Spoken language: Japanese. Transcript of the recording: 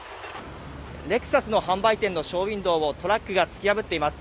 レクサスの販売店のショーウィンドーをトラックが突き破っています。